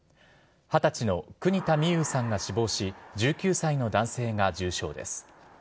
２０歳の国田美佑さんが死亡し、１９歳の男性が重傷です。